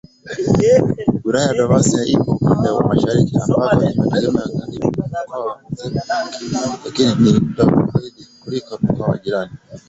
Wilaya ya Donbass ipo upande wa mashariki, ambako imeteka karibu mkoa mzima lakini ni ndogo zaidi kuliko mkoa jirani.